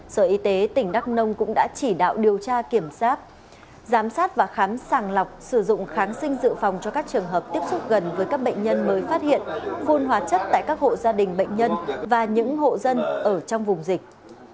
sở y tế tỉnh đắk nông cũng đã chỉ đạo điều tra kiểm soát giám sát và khám sàng lọc sử dụng kháng sinh dự phòng cho các trường hợp tiếp xúc gần với các bệnh nhân mới phát hiện phun hóa chất tại các hộ gia đình bệnh nhân và những hộ dân ở trong vùng dịch